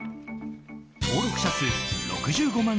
登録者数６５万